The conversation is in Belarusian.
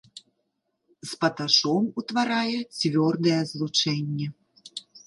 З паташом утварае цвёрдае злучэнне.